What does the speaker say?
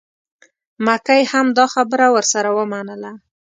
مکۍ هم دا خبره ورسره ومنله.